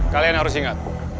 kalian harus inget